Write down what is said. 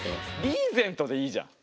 「リーゼント」でいいじゃん。